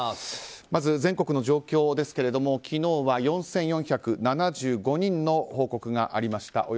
まず全国の状況ですが昨日は４４７５人の報告がありました。